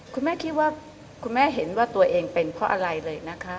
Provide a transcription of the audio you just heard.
คุณแม่คิดว่าคุณแม่เห็นว่าตัวเองเป็นเพราะอะไรเลยนะคะ